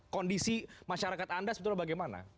kondisi masyarakat anda sebetulnya bagaimana